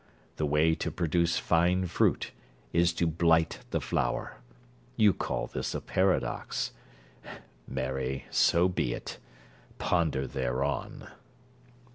The way to produce fine fruit is to blight the flower. You call this a paradox. Marry, so be it. Ponder thereon.